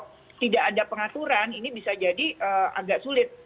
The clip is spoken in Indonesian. kalau tidak ada pengaturan ini bisa jadi agak sulit